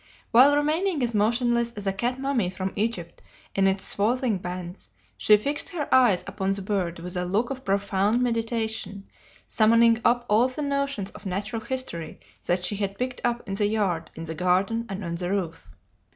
While remaining as motionless as a cat mummy from Egypt in its swathing bands, she fixed her eyes upon the bird with a look of profound meditation, summoning up all the notions of natural history that she had picked up in the yard, in the garden, and on the roof.